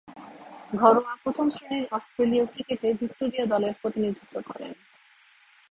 ঘরোয়া প্রথম-শ্রেণীর অস্ট্রেলীয় ক্রিকেটে ভিক্টোরিয়া দলের প্রতিনিধিত্ব করেন।